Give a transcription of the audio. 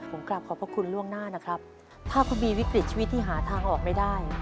ผมกลับขอบพระคุณล่วงหน้านะครับถ้าคุณมีวิกฤตชีวิตที่หาทางออกไม่ได้